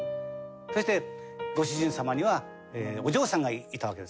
そしてご主人様にはお嬢さんがいたわけですね。